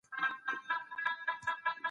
سپي ممکن ناروغي ولري.